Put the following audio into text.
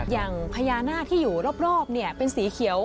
อย่างพญานาคที่อยู่รอบเป็นสีเขียว